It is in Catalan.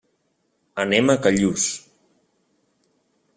Anem a Callús.